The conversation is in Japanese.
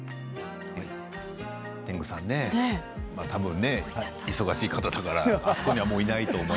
天狗さんね多分忙しい方だからあそこにはもういないと思う。